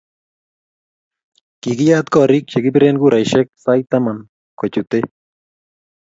Kikiyat korik che kipire kuraishike sait taman kochutei.